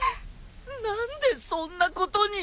何でそんなことに！？